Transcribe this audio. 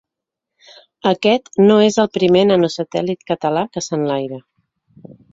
Aquest no és el primer nanosatèl·lit català que s’enlaira.